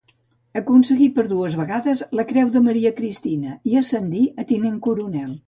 Aconseguí per dues vegades la creu de Maria Cristina, i ascendí a tinent coronel.